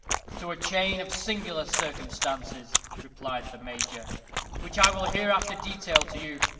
"To a chain of singular circumstances," replied the Major, "which I will hereafter detail to you.